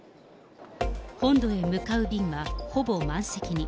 本土へ向かう便はほぼ満席に。